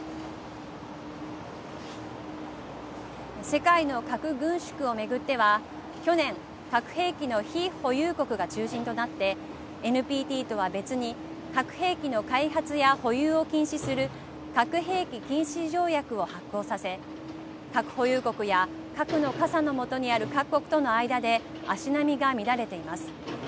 世界の核軍縮を巡っては去年、核兵器の非保有国が中心となってＮＰＴとは別に核兵器の開発や保有を禁止する核兵器禁止条約を発効させ核保有国や核の傘の下にある各国との間で足並みが乱れています。